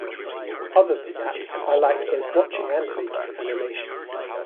Other than that, I liked both watching and making animation.